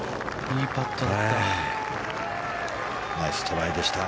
いいパットだった。